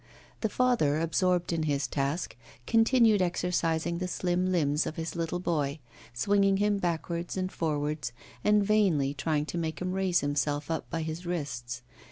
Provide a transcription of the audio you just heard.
The father, absorbed in his task, continued exercising the slim limbs of his little boy, swinging him backwards and forwards, and vainly trying to make him raise himself up by his wrists.